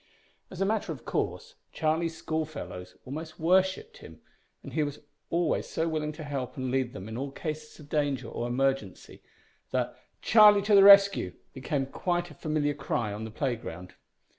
As a matter of course, Charlie's school fellows almost worshipped him, and he was always so willing to help and lead them in all cases of danger or emergency, that "Charlie to the rescue!" became quite a familiar cry on the playground.